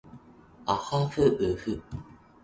あはふうふ